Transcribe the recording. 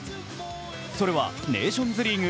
それはネーションズリーグ